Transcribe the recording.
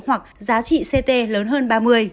hoặc giá trị ct lớn hơn ba mươi